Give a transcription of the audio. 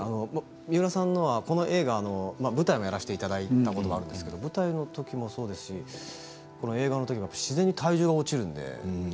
三浦さんは、この映画舞台もやらせてもらったことがあるんですけれど舞台もそうですし、映画も自然と体重が落ちるんですね。